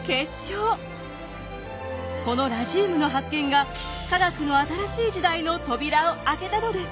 このラジウムの発見が科学の新しい時代の扉を開けたのです！